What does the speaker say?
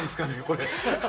これ。